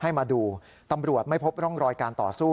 ให้มาดูตำรวจไม่พบร่องรอยการต่อสู้